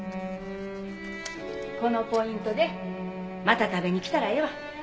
このポイントでまた食べに来たらええわ。